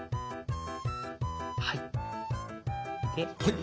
はい。